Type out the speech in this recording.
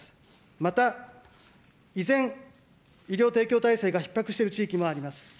また、依然、医療提供体制がひっ迫している地域もあります。